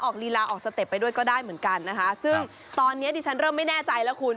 ลีลาออกสเต็ปไปด้วยก็ได้เหมือนกันนะคะซึ่งตอนนี้ดิฉันเริ่มไม่แน่ใจแล้วคุณ